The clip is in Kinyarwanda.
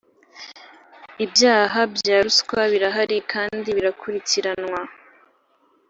ibyaha bya ruswa birahari kandi birakurikiranwa